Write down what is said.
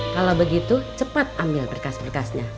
kalau begitu cepat ambil berkas berkasnya